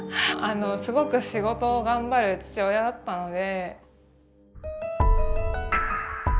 すごく仕事を頑張る父親だったので。